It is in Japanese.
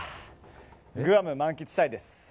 グアム満喫したいです。